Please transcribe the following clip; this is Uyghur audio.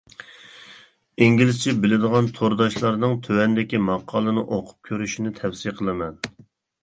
ئىنگلىزچە بىلىدىغان تورداشلارنىڭ تۆۋەندىكى ماقالىنى ئوقۇپ كۆرۈشىنى تەۋسىيە قىلىمەن.